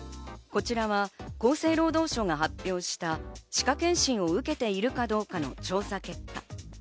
こちらは厚生労働省が発表した、歯科健診を受けているかどうかの調査結果。